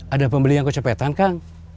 ada pembeli yang kecepatan kang